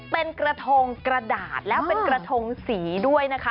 เป็นกระทงกระดาษแล้วเป็นกระทงสีด้วยนะคะ